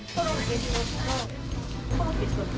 コロッケ１つと。